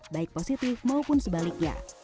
baik positif maupun sebaliknya